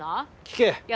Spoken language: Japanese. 聞け。